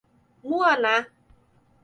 Muaná